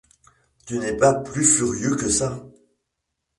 Tu n’es pas plus furieux que ça?